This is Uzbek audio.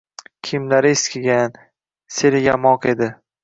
Kiyimlari eskigan, seryamoq edi